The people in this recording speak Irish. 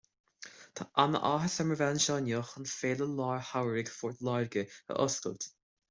Tá an-áthas orm a bheith anseo inniu chun Féile Lár-Shamhraidh Phort Láirge a oscailt.